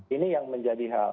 ini yang menjadi hal